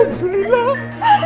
kamu hamil beb